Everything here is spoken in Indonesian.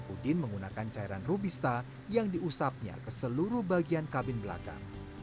udin menggunakan cairan rubista yang diusapnya ke seluruh bagian kabin belakang